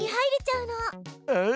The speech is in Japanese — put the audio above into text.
うん。